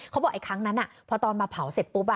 เขาบอกไอ้ครั้งนั้นพอตอนมาเผาเสร็จปุ๊บ